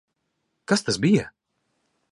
Kas tas bija?